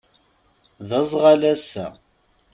D azɣal ass-a.